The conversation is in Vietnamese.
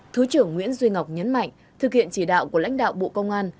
thứ trưởng nguyễn duy ngọc nhấn mạnh thực hiện chỉ đạo của lãnh đạo bộ công an